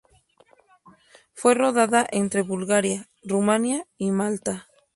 Fue rodada entre Bulgaria, Rumania y Malta.